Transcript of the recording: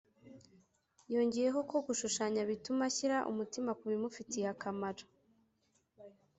yongeyeho ko gushushanya bituma ashyira umutima ku bimufitiye akamaro